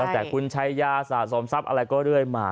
แต่คุณชายาสะสมทรัพย์อะไรก็เรื่อยมา